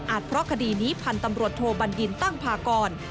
เพราะคดีนี้พันธุ์ตำรวจโทบัญญินตั้งพากร